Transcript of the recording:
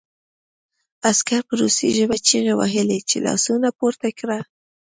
عسکر په روسي ژبه چیغې وهلې چې لاسونه پورته کړه